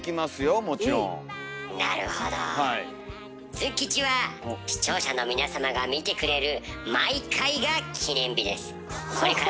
ズン吉は視聴者の皆様が見てくれる毎回が記念日です。